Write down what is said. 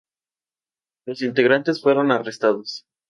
Los integrantes fueron arrestados.